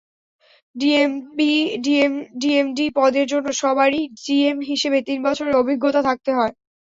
DMD পদের জন্য সবারই জিএম হিসেবে তিন বছরের অভিজ্ঞতা থাকতে হয়।